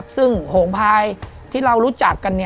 ซึ่งโหงพายที่เรารู้จักกัน